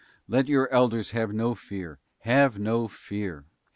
Let your elders have no fear, have no fear.